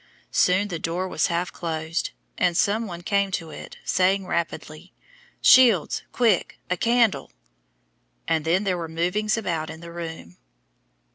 Soon the door was half closed, and some one came to it, saying rapidly, "Shields, quick, a candle!" and then there were movings about in the room.